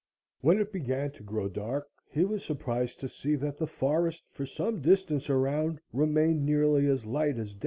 When it began to grow dark, he was surprised to see that the forest for some distance around, remained nearly as light as day.